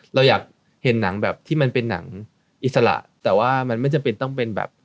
เราอยากเห็นหนังแบบที่มันเป็นหนังอิสระแต่ว่ามันไม่จำเป็นต้องเป็นแบบ